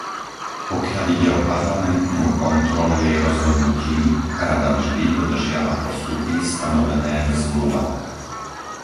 Pokiaľ ide o parlamentnú kontrolu jej rozhodnutí, Rada vždy dodržiava postupy stanovené v zmluvách.